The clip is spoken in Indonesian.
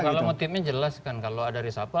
kalau motifnya jelas kan kalau ada resah apa